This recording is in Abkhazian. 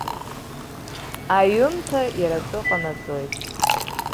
Аҩымҭа иара атәы ҟанаҵоит.